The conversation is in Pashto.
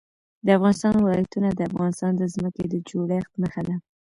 د افغانستان ولايتونه د افغانستان د ځمکې د جوړښت نښه ده.